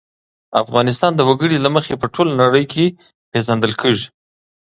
افغانستان د وګړي له مخې په ټوله نړۍ کې پېژندل کېږي.